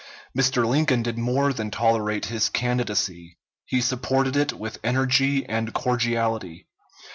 Mr. Lincoln did more than tolerate his candidacy. He supported it with energy and cordiality.